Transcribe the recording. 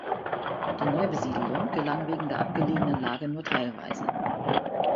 Die Neubesiedlung gelang wegen der abgelegenen Lage nur teilweise.